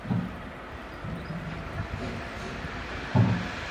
チバニアンは磁場の逆転を示す地層である